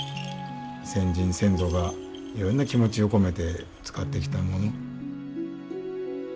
先人先祖がいろんな気持ちを込めて使ってきたもの。